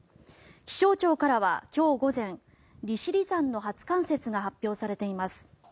気象庁からは今日午前利尻山の初冠雪が発表されています。